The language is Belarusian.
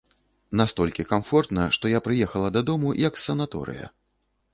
Настолькі камфортна, што я прыехала дадому, як з санаторыя.